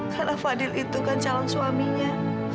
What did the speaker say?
karena fadil itu kan calon suaminya